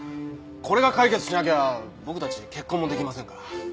これが解決しなきゃ僕たち結婚も出来ませんから。